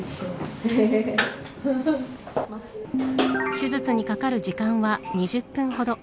手術にかかる時間は２０分ほど。